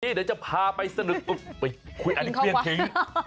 เดี๋ยวจะพาไปสนุกไปคุยอันนี้เครื่องทิ้ง